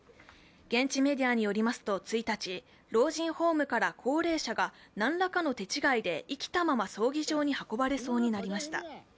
現地メディアによりますと１日、老人ホームから高齢者が何らかの手違いで生きたまま葬儀場に運ばれそうになりました。